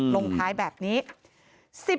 ลงท้ายแบบนี้